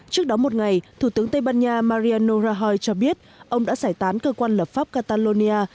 trước đó một ngày thủ tướng tây ban nha mariano rajoy cho biết ông đã giải tán cơ quan lập pháp catalonia